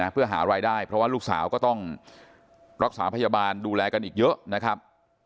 เพื่อหารายได้เพราะว่าลูกสาวก็ต้องรักษาพยาบาลดูแลกันอีกเยอะนะครับ